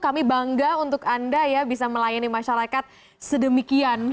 kami bangga untuk anda ya bisa melayani masyarakat sedemikian